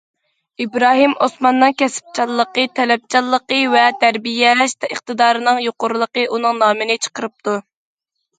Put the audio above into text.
ئىبراھىم ئوسماننىڭ كەسىپچانلىقى، تەلەپچانلىقى ۋە تەربىيەلەش ئىقتىدارىنىڭ يۇقىرىلىقى ئۇنىڭ نامىنى چىقىرىپتۇ.